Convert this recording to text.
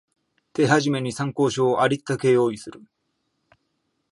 手始めに参考書をありったけ用意する